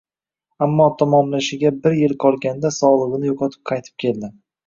Ammo tamomlashiga bir yil qolganda sog`ligini yo`qotib qaytib keldi